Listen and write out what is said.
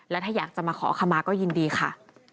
และถ้าอยากจะมาขอขมาก็ยินดีค่ะ